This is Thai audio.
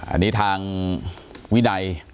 อันนี้ทางวินัย